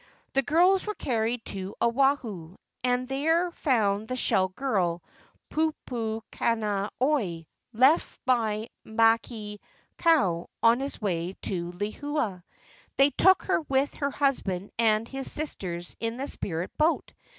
The girls were carried to Oahu, and there found the shell girl, Pupu kani oi, left by Ma¬ kani kau on his way to Lehua. They took her with her husband and his sisters in the spirit boat.